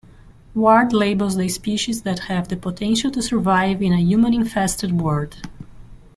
Ward labels the species that have the potential to survive in a human-infested world.